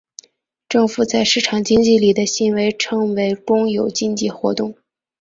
政府在市场经济里的行为称为公有经济活动。